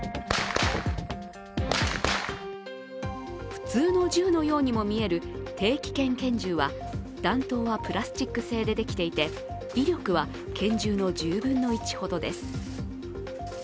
普通の銃のようにも見える低危険拳銃は弾頭はプラスチック製でできていて威力は拳銃の１０分の１ほどです。